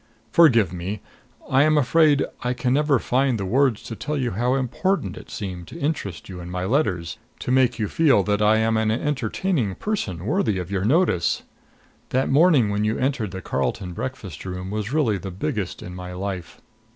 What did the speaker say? Forgive me. I am afraid I can never find the words to tell you how important it seemed to interest you in my letters to make you feel that I am an entertaining person worthy of your notice. That morning when you entered the Carlton breakfast room was really the biggest in my life.